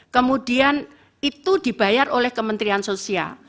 kemudian itu dibayar oleh kementerian sosial